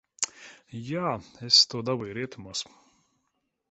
Jā, es to dabūju rietumos.